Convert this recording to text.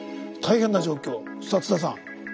大変な状況さあ津田さん